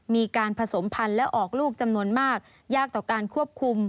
มีการผสมพันธุ์และออกลูกจำนวนมากยากต่อการควบคุม